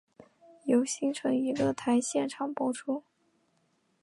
由新城娱乐台现场播出。